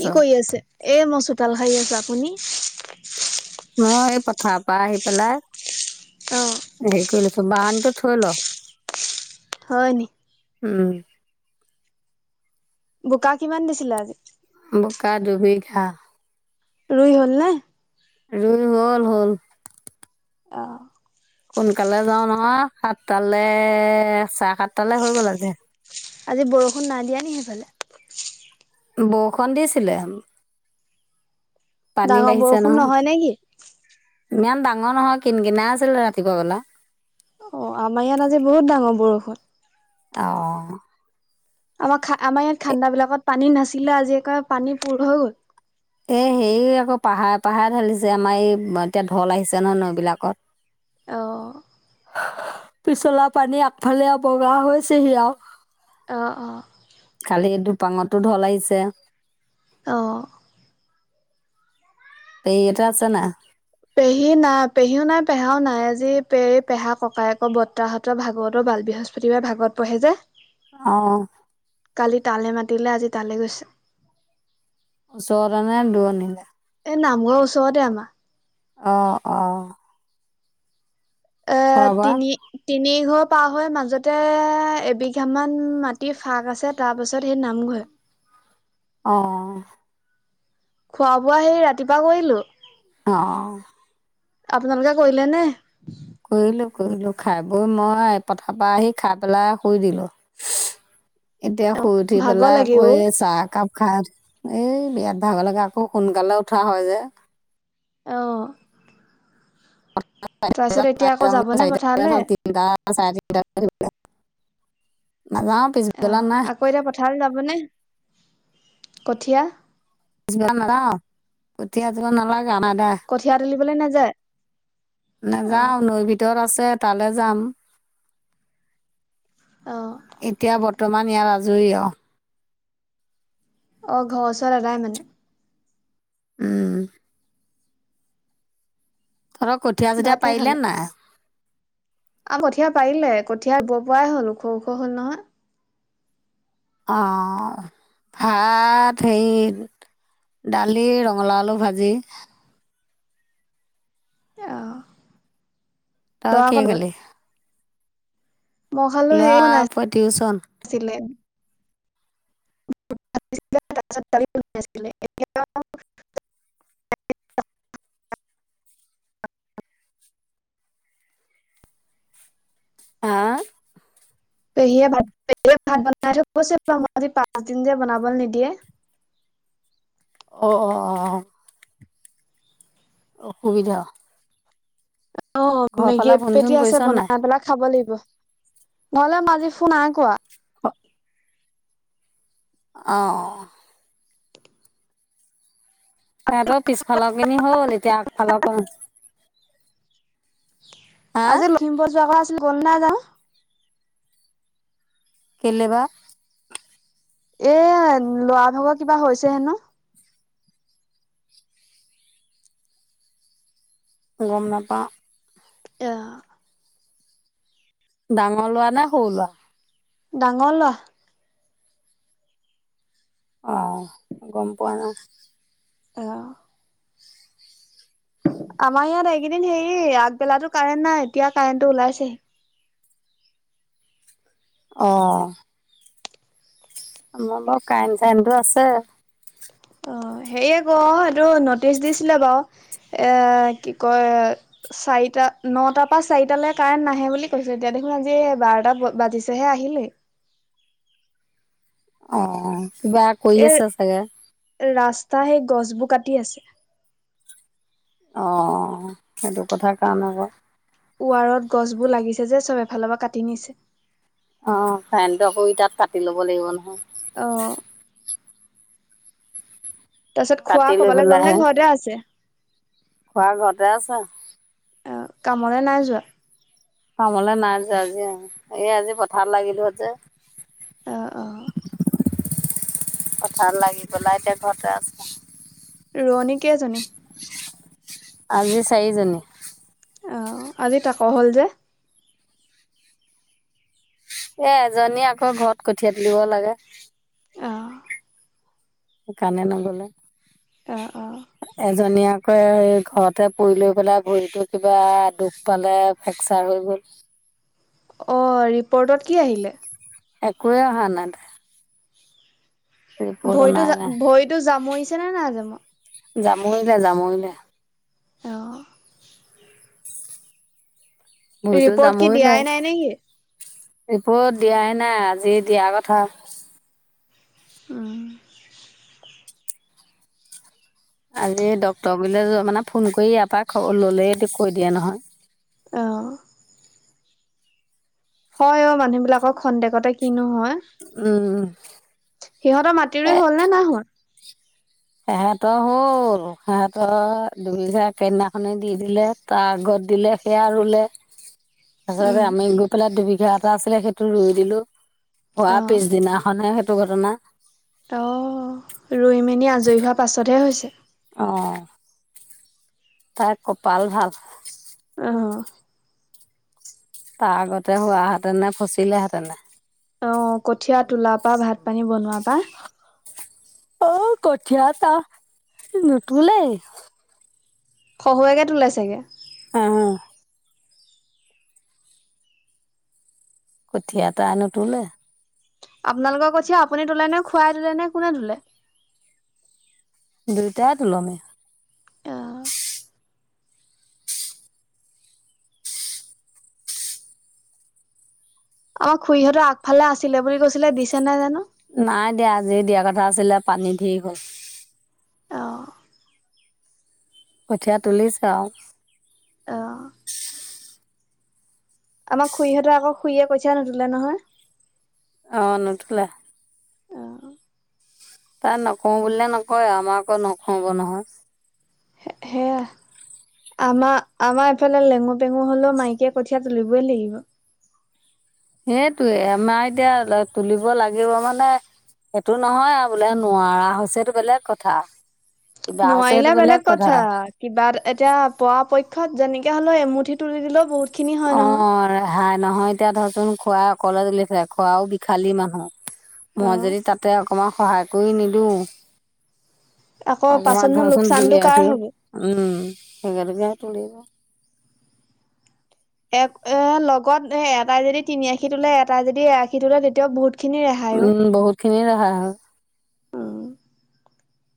কি কৰি আছে, এ মই চোতাল শাৰি আছোঁ, আপুনি? মই এই পথাৰৰ পৰা আহি পেলাই, হ চ বাহানটো থল [inaudible] হয় নি। উম বোকা কিমান দিছিলে আজি। বোকা দুবিঘা। ৰুই হল নে। ৰুই হ'ল হ'ল। অঁ সোনকালে যাওঁ নহয় সাতটালে চাহ সাতটালে হৈ গ'ল আজি। আজি বৰষুণ নাই দিয়া নি সেইফালে। বৰষুণ দিছিলে, পানী ডাঙৰ বাঢ়িছে বৰষুণ নহয়। নে কি? ইমান ডাঙৰ নহয় কিন কিনা আছিলে ৰাতিপুৱা বেলা। অ আমাৰ ইয়াত আজি বহুত ডাঙৰ বৰষুণ। অ আমাৰ খা আমাৰ ইয়াত খাণ্ডা বিলাকত পানী নাছিলে আজি আকৌ পানী পূৰ হৈ গ'ল। এই হেৰি আকৌ পাহাৰে পাহাৰে ঢালিছে আমাৰ এই এতিয়া ঢল আহিছে নহয় নৈবিলাকত। অঁ পিছলা পানী আগফালে বগা হৈছে সি আৰু। অঁ অঁ কালি দুপাঙতো ঢল আহিছে। অ সেইহতে আছে নাই। পেহী নাই পেহীও নাই পেহাও নাই আজি পেই পেহা ককাই আকৌ বৰ্তাহত ভাগৱতৰ বাল বৃহস্পতিবাৰে ভাগবত পঢ়ে যে। অ কালি তালে মাতিলে আজি তালৈ গৈছে। ওচৰতে নে দূৰত। এই নামঘৰৰ ওচৰতে আমাৰ। অ' অ' আহ খোৱা বোৱা তিনি, তিনি ঘৰ পাৰ হৈ মাজতে, এবিঘামান মাটি ফাঁক আছে তাৰ পাছত সেই নামঘৰে। অঁহ খোৱা বোৱা সেই ৰাতিপুৱা কৰিলো। অহ আপোনালোকে কৰিলে নে? কৰিলোঁ কৰিলোঁ খাই বৈ মই পথাৰ পৰা আহি খাই পেলাই শুই দিলোঁ। [inaudible] এতিয়া শুই উঠি ভাগৰ পেলাই লাগে আকৌ অ চাহ একাপ খাই উঠি এই বিয়াত ভাগ লাগে আকৌ সোনকালে উঠা হয় যে। অ [unintelligible] তাৰপিছত এতিয়া আকৌ [unintelligible] যাবনে পথাৰলে চাৰে তিনটা, নাযাও অ পিছলবেলা নাই, আকৌ এতিয়া পথাৰ যাবনে, কঠীয়া পিছবেলা নাযাওঁ কঠীয়া তোলিব নালাগে আমাৰ এদায় কঠীয়া তুলিবলৈ নাযায়? অ নাযাওঁ নৈ ভিতৰত আছে তালৈ যাম। অ এতিয়া বৰ্তমান ইয়াৰ আজৰি অহ অ ঘৰ ওচৰত এদাই মানে? উম' তহঁতৰ কঠীয়া চঠিয়া ভাতে খালে পাৰিলে নাই? [unintelligible] কঠীয়া পাৰিলে কঠিয়াই ৰুব পৰাই হ'ল ওখ ওখ হ'ল নহয়। অ ভাত হেৰি দালি ৰঙালাও আলু ভাজি। অ' তই লৰা কিহে কলৈ খালি? মই খালো হেৰি বনাই ল'ৰা টিউচন ছিলে [unintelligible] এতিয়া হা' পেহীয়ে ভাত পেহীয়ে ভাত বনাই থৈ গৈছে বাৰু, মোৰ আজি পাঁচ দিন যে বনাবলৈ নিদিয়ে। অ অ অ' অসুবিধা, অ ঘৰৰ মেগী ফালে ফোন এপেটি চোন আছে কৰিছ নাই বনাই পেলাই খাব লাগিব। ঘৰলে মই আজি ফোন নাই কোৱা। অ অ তাহঁতৰ পিছফালৰ খিনি হ'ল এতিয়া আগফালৰ কন হা আজি লখিমপুৰ যোৱা কথা আছিলে গ'ল নাই যানো? কেলে বা? এ ল'ৰা ভাগৰ কিবা হৈছে হেনো, গম নাপাওঁ, আহ' ডাঙৰ ল'ৰা নে সৰু ল'ৰা। ডাঙৰ ল'ৰা। অহ গম পোৱা নাই। অহ আমাৰ ইয়াত এইকেইদিন হেৰি, আগবেলাতো কাৰেণ্ট নাই এতিয়া কাৰেণ্ট টো ওলাইছেহি। অহ' আমা বাও কাইন চাইনটো আছে। অ সেয়ে ক এইটো নটিচ দিছিলে বাও এ কি কয় চাৰিটা নটা পা চাৰিটালে কাৰেণ্ট নাহে বুলি কৈছে এতিয়া দেখোন আজি এই বাৰটা বাজিছেহে আহিলেই। অ কিবা কৰি এই আছে চাগে। ৰাস্তা সেই গছবোৰ কাটি আছে। অ সেইটো কথা কাৰণে আকৌ। ওৱালত গছবো লাগিছে যে চব এফাল পা কাটি নিছে। অ ফাইনটো আকৌ ইতাত কাটি ল'ব লাগিব নহয়। অ। তাপিছত খোৱা কাটি লৈ কবালে গ'ল নে পেলাইহে ঘৰতে আছে? খুৰা ঘৰতে আছে অ কামলে নাই যোৱা? কামলে নাই যোৱা আজি। এই আজি পথাত লাগিলো যে। অ অ পথাৰত লাগি পেলাই এতিয়া ঘতে আছে। ৰুৱণিক আজি চাৰিজনী। অ আজি তাক হ'ল যে। এ এজনী আকৌ ঘৰত কঠিয়া তুলিব লাগে। অ সেকাণে নগলে। অ অ। এজনী আকৌ এই ঘৰতে পৰি লৈ পেলাই ভৰিতো কিবা দুখ পালে হেডছাৰ হৈ গ'ল। অ ৰিপদত কি আহিলে? একোৱে অহা নাই [unintelligible] তাইৰ ৰিপৰ্ট ভৰিতো অনাই জা ভৰিতো জামুৰিছে নে নাই জামৱা? যাময়িলে যাময়িলে। অ। ভৰিতো ৰিপৰ্ট কি যামৰিলে। দিয়াই নাই নেকি? ৰিপট দিয়াই নাই আজি দিয়া কথা। উম। আজি ডক্ত গুইলে যোৱা, মানে ফোন কৰি ইয়াপা খবৰ ল'লেই কৈ দিয়ে নহয়। অঁ! হয় অ মানুহ বিলাক খন্দেকতে কিনো হয়। উমম। সিহঁত মাটিৰুই হ'ল নে নাহোৱা। সেহয়ৰ হ'ল সেহেত দুবিঘি একেইদিনাখনে দি দিলে। তা আগত দিলে সেয়া ৰুলে। [unintelligible] আচলতে উম আমি গৈ পেলাই দুবিঘা এটা আছিলে সেইটো ৰুই দিলো। হৱা অ পিছদিনাখনহে সেইটো ঘটনা। অ ৰুই মিনি আজৰি হোৱা পাছতহে হৈছে। অ। তাই কপাল ভাল। অহ। তা আগতে হোৱাহেতেনে ফচিলেহেঁতেনে। অ কঠীয়া তোলা পা ভাত পানী বনোৱা পা অও কঠীয়া টা সি নুতোলেই। শহুৱেকে তোলে চাগে। অ। কঠীয়া এটা নোতোলে। আপোনালোক কঠিয়া আপুনি তোলে নে খুৱাই তোলেনে কোনে তোলে? দুইটায়েত উলমে আহ আমাৰ খুৰীহঁৰ আগফালে আছিলে বুলি কৈছিলে দিছে নাই জানো। নাই দিয়া আজি দিয়া কথা আছিলে পানী ধেই হল। অ' কঠীয়া তুলিছে আও অ' আমাৰ খুৰিহঁতৰ আকৌ খুৰীয়ে কঠীয়া নোতোলে নহয়। অ নোতোলে। অঁ তাই নকওঁ বুলিলে নকৰে আৱ আমাৰ আকৌ নহব নহয়। সে সেয়া আমাৰ আমাৰ এফালে লেঙু পেঙু হলও মাইকীয়ে কঠীয়া তুলিবই লাগিব। সেইটোয়ে আমাৰ এতিয়া তুলিব লাগিব মানে সেইটো নহয় আৰু বোলে নোৱাৰা হৈছে সেইটো বেলেগ কথা। কিবা হৈছে সেইটো নোৱাৰিলে বেলেগ কথা। কিবা এ এতিয়া পৰাপক্ষত যেনেকে হলেও এমুঠি তুলি দিলেও বহুত। খিনি হয় অ নহয়। ৰেহাই নহয় এতিয়া ধৰচোন খুৰাই অকলে তুলিছে। খুৰাও বিশালী মানুহ মই অ' যদি তাতে অকমান সহায় কৰি নিদো আকৌ অকমান পাছতনো ধৰচোন দুই লোকচানটো কাৰ এয়াখি হ'ব? উম সেকেটোকে তুলিব। এক এ লগত এ এটাই যদি তিনি আশী তোলে, এটাই যদি এ আশী তোলে তেতিয়াও বহুত খিনি ৰেহা উম বহুতখিনি ৰেহাই হয়। উম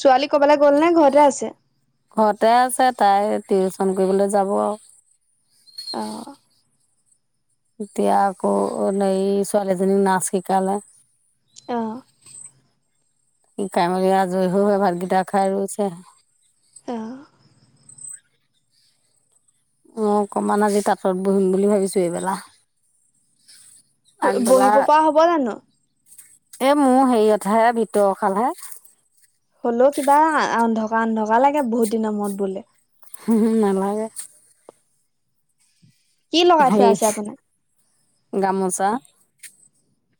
ছোৱালী কবালে গ'ল নে ঘৰতে আছে? ঘৰতে আছে তাই টিউচন কৰিবলে যাব আও অ' এতিয়া আকৌ এই ছোৱালীজনীক নাচ শিকালে। অ শিকাই মেলি আজৰি হৈ ভাতকেইটা খাই ৰৈছে। অ' মও অকণমান আজি তাঁতত বহিম বুলি ভাবিছোঁ এবেলা। আগবেলা বহিব পৰা হ'ব জানো? এ মোৰ হেৰিয়তহে ভিতৰ শালহে। হ'লও কিবা অন্ধকা অন্ধকা লাগে বহুত দিনৰ মূৰত বলে। হুম হুম নালাগে। কি লগাই থোৱা হেই আছে আপোনাৰ? গামোচা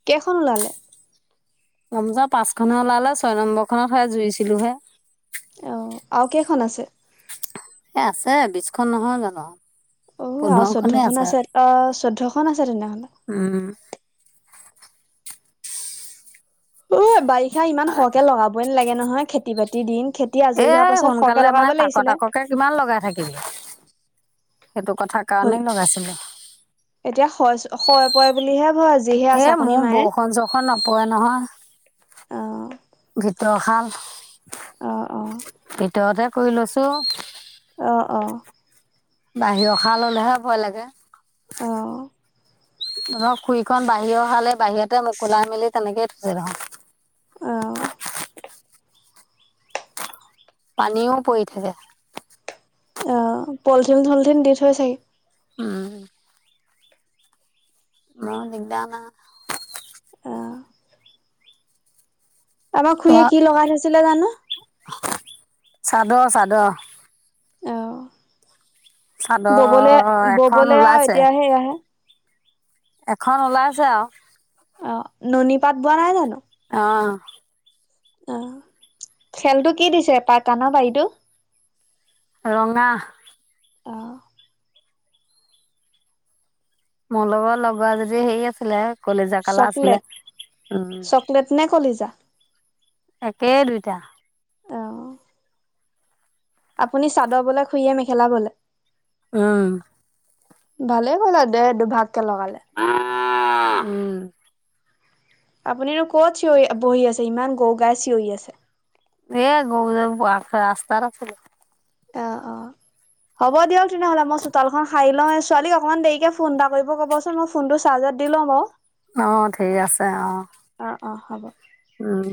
কেইখন ওলালে? গামোচা পাঁচখনে ওলালে ছয় নম্বৰখনতহে জুৰিছিলোহে। অঁ, আৰু কেইখন আছে? এ আছে বিশখন নহয় জানো। অ আও চৈধ্যখন আছে অ চৈধ্যখন আছে তেনেহলে। উম অ বাৰিষা ইমান সকে লগাবই নালাগে নহয় খেতি বাতিৰ দিন। খেতি এ আজৰি হোৱাৰ পাছত সৰহকে সোনকালে লগাব মানে তাক লাগিছিলে। তাককে কিমান লগাই থাকিবি। সেইটো কথা হ'ল কাৰণেই লগাইছিলে এতিয়া শইচ শ পৰে বুলিহে ভয় যিহে এ আচাকনি মোৰ মাৰে বৰষুণ চৰষুণ নপৰে নহয়। অ ভিতৰশাল অঁ অঁ ভিতৰতে কৰি লৈছোঁ। অ অ বাহিৰৰ শাল হ'লেহে ভয় লাগে। অ' তহঁতৰ খুুৰীখন বাহিৰৰ শালহে বাহিৰতে মোকোলাই মেলি তেনেকে থৈ আ অ' পানীও পৰি থাকে। অ' পলথিন, চলথিন দি থৈ চাগে। উম মোৰ দিগদাৰ না। অহ আমাৰ খুুৰীয়ে তই কি লগাই থৈছিলে জানো! চাদৰ চাদৰ অ' চাদৰ এখন ববলে-ববলে আ ওলাইছে এতিয়া সেয়াহে। এখন ওলাই আছে আউ। অ' নুনী পাত বোৱা নাই জানো? অ' অ' খেলটো কি দিছে [unintelligible] ৰঙা অ' মোৰ লগত লগোৱা যদি হেই আছিলে কলিজা কালাৰ আছিলে চকলেট, উম, চকলেট নে কলিজা? একেই দুইটা। অ আপুনি চাদৰ বলে, খুইয়ে মেখেলা বলে? উম ভালে কৰিলে দে দুভাগকে লগালে। উম আপুনিনো ক'ত চিঞৰি বহি আছে ইমান গৰু গাই চিঞৰি আছে? এ গৰু গায় [unintelligible] ৰাস্তাত আছিলোঁ। অ' অ' হ'ব দিয়ক তেনেহ'লে মই চোতালখন সাই লওঁ। এ ছোৱালীক অকমান দেৰিকে ফোন এটা কৰিব ক'বচোন ম ফোনটো চাৰ্জত দি লওঁ বাৰু। অ' ঠিক আছে অ'। অ' অ' হ'ব। উম।